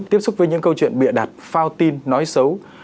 tiếp xúc với những câu chuyện bịa đặt phao tin nói xấu